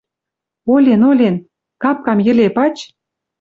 «Олен, олен... Капкам йӹле пач.